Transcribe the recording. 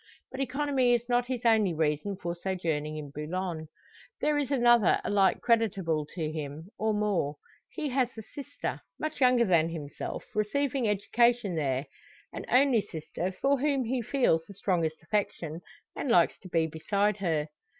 But economy is not his only reason for sojourning in Boulogne. There is another alike creditable to him, or more. He has a sister, much younger than himself, receiving education there; an only sister, for whom he feels the strongest affection, and likes to be beside her.